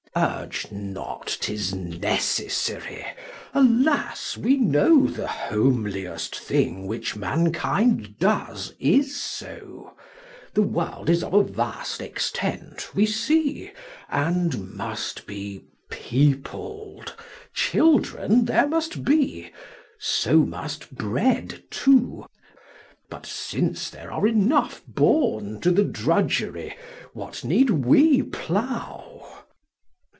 Urge not 'tis necessary, alas ! we know The homeliest Thing which Mankind does is so ; The World is of a vast Extent, we see, And must be peopled ; children there must be ; So must Bread too ; but since there are enough Born to the Drudgery, what need we plough